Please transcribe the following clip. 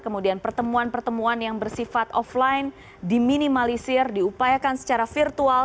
kemudian pertemuan pertemuan yang bersifat offline diminimalisir diupayakan secara virtual